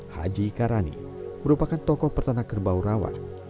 haji karani merupakan tokoh peternak kerbau rawa